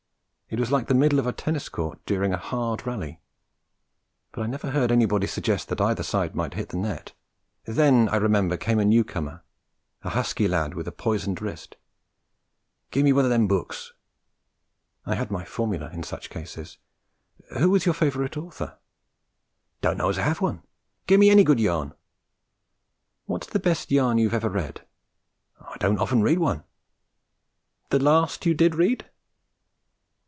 It was like the middle of a tennis court during a hard rally; but I never heard anybody suggest that either side might hit into the net. Then, I remember, came a new comer, a husky lad with a poisoned wrist. 'Gimme one o' them books.' I had my formula in such cases. 'Who is your favourite author?' 'Don't know as I have one; gimme any good yarn.' 'What's the best yarn you ever read?' 'I don't often read one.' 'The last you did read?'